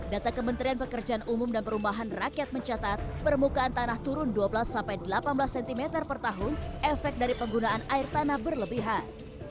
data kementerian pekerjaan umum dan perumahan rakyat mencatat permukaan tanah turun dua belas delapan belas cm per tahun efek dari penggunaan air tanah berlebihan